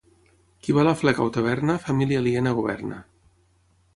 Qui va a la fleca o taverna, família aliena governa.